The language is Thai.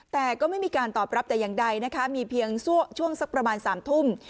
แต่ก็ไม่มีการตอบรับแต่อย่างใดนะคะมีเพียงช่วงสักประมาณ๓ทุ่ม